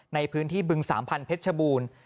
ในพื้นที่บึงสามพันธ์เพชรชบูรณ์